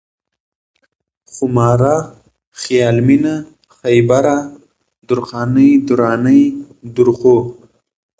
خوماره ، خيال مينه ، خيبره ، درخانۍ ، درانۍ ، درخو